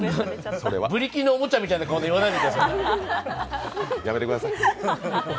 ブリキのおもちゃみたいな顔で言わないでください。